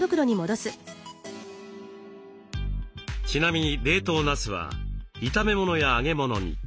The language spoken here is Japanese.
ちなみに冷凍ナスは炒め物や揚げ物に。